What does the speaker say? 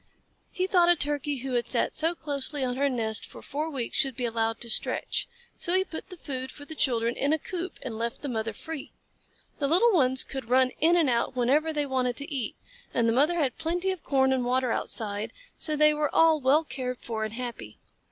He thought a Turkey who had sat so closely on her nest for four weeks should be allowed to stretch, so he put the food for the children in a coop and left the mother free. The little ones could run in and out whenever they wanted to eat, and the mother had plenty of corn and water outside, so they were all well cared for and happy.